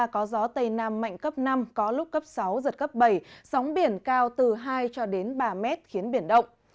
có gió tây nam mạnh cấp năm có lúc cấp sáu giật cấp bảy sóng biển cao từ hai cho đến ba mét khiến biển động